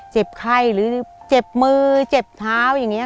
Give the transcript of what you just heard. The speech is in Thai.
เจ็บไข้หรือเจ็บมือเจ็บเท้าอย่างนี้